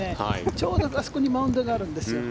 ちょうど、あそこにマウンドがあるんですよね。